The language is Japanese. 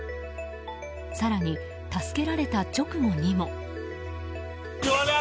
更に、助けられた直後にも。